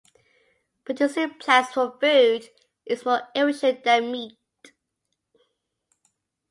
Producing plants for food is more efficient than meat.